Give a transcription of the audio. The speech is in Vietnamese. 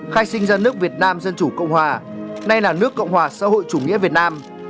khai sinh ra nước việt nam dân chủ cộng hòa nay là nước cộng hòa xã hội chủ nghĩa việt nam